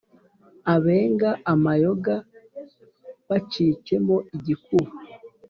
abenga amayoga bacikemo igikuba.